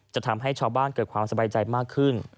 จะทำให้ชาวบ้านเกิดความสบายใจมากขึ้น